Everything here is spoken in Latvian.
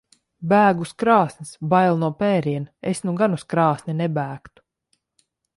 Bēg uz krāsns. Bail no pēriena. Es nu gan uz krāsni nebēgtu.